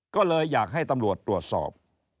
ก็เลยอยากให้ตำรวจตรวจสอบ